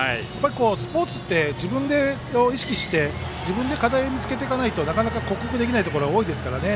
スポーツって自分で意識して自分で課題を見つけていかないとなかなか克服できないところは多いですからね。